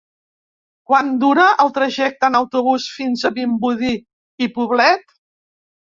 Quant dura el trajecte en autobús fins a Vimbodí i Poblet?